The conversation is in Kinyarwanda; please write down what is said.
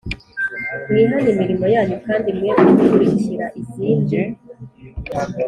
Mwihane imirimo yanyu kandi mwe gukurikira izindi